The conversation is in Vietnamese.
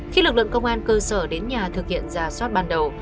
khi lực lượng công an cơ sở đến nhà thực hiện giả soát ban đầu